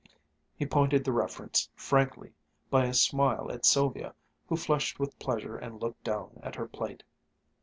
He pointed the reference frankly by a smile at Sylvia, who flushed with pleasure and looked down at her plate.